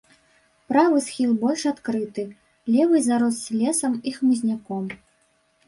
Правы схіл больш адкрыты, левы зарос лесам і хмызняком.